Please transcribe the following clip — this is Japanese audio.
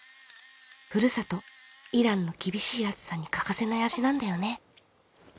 ふるさとイランの厳しい暑さに欠かせない味なんだよね。